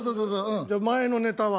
じゃ前のネタは？